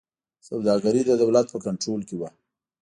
سوداګري د دولت په کنټرول کې وه.